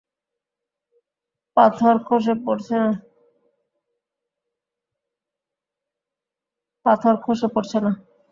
পাথর খসে পড়ছে না।